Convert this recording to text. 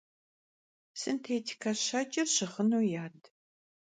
Sintêtike şeç'ır şığınu yad.